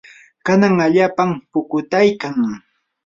kanan allaapam pukutaykan.